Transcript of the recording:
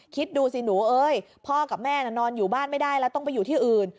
คิดดูสิหนูเอ้ยพ่อกับแม่น่ะนอนอยู่บ้านไม่ได้แล้วต้องไปอยู่ที่อื่น